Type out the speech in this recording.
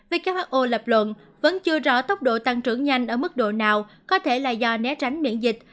who lập luận vẫn chưa rõ tốc độ tăng trưởng nhanh ở mức độ nào có thể là do né tránh miễn dịch